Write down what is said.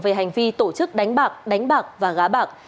về hành vi tổ chức đánh bạc đánh bạc và gá bạc